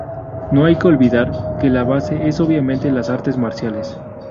No hay que olvidar que la base es obviamente las Artes Marciales.